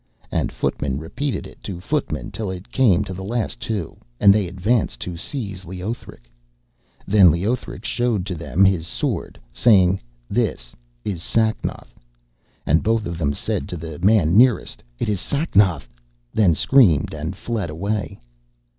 And footman repeated it to footman till it came to the last two, and they advanced to seize Leothric. Then Leothric showed to them his sword, saying, 'This is Sacnoth,' and both of them said to the man nearest: 'It is Sacnoth;' then screamed and fled away.